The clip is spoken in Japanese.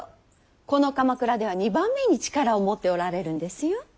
この鎌倉では２番目に力を持っておられるんですよ。